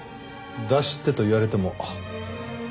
出してと言われても今はもう。